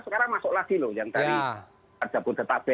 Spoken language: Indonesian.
sekarang masuk lagi loh yang tadi